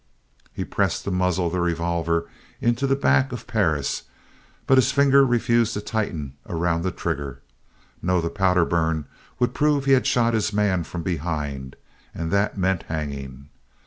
He pressed the muzzle of the revolver into the back of Perris but his finger refused to tighten around the trigger. No, the powder burn would prove he had shot his man from behind, and that meant hanging.